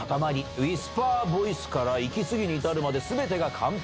ウィスパーボイスから息継ぎに至るまで、すべてが完璧。